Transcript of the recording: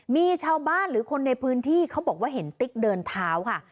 มีชาวบ้านหรือคนในพื้นที่เขาบอกว่าเห็นติ๊กเดินเท้าค่ะ